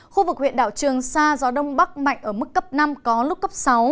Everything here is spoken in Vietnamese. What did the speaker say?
khu vực huyện đảo trường sa gió đông bắc mạnh ở mức cấp năm có lúc cấp sáu